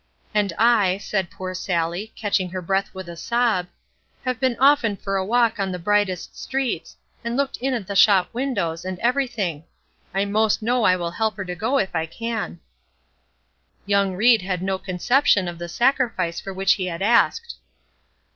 "And I," said poor Sallie, catching her breath with a sob, "have been often for a walk on the brightest streets, and looked in at the shop windows, and everything. I 'most know I will help her to go if I can." Young Ried had no conception of the sacrifice for which he had asked.